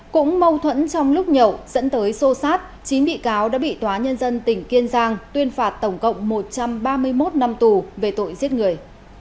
cũng mâu thuẫn trong lúc nhậu dẫn tới sô sát chín bị cáo đã bị tòa nhân dân tỉnh kiên giang tuyên phạt tổng cộng một trăm ba mươi một năm tù về tội giết người